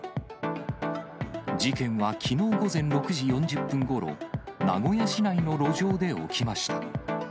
事件はきのう午前６時４０分ごろ、名古屋市内の路上で起きました。